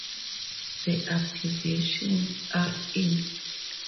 The abbreviations r.e.